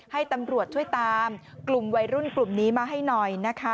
ให้ตำรวจช่วยตามกลุ่มวัยรุ่นกลุ่มนี้มาให้หน่อยนะคะ